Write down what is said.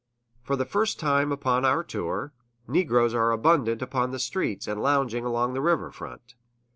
For the first time upon our tour, negroes are abundant upon the streets and lounging along the river front.